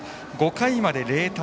５回まで０対０。